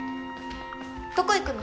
どこ行くの？